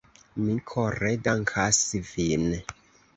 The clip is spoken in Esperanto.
Mi kore dankas vin.